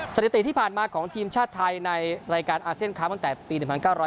สถิติที่ผ่านมาของทีมชาติไทยในรายการอาเซียนคลับตั้งแต่ปี๑๙๐